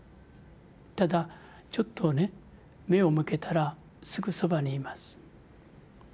ただちょっとね目を向けたらすぐそばにいます。